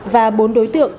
và bốn đối tượng